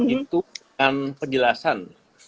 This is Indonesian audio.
itu dengan penjelasan